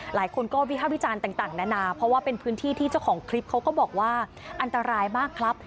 หลายคนก็วิภาควิจารณ์ต่างนานาเพราะว่าเป็นพื้นที่ที่เจ้าของคลิปเขาก็บอกว่าอันตรายมากครับ